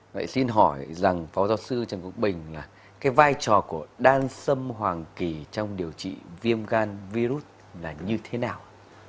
vậy xin hỏi rằng phó giáo sư trần quốc bình vai trò của đan sâm hoàng kỳ trong điều trị viêm gan virus là như thế nào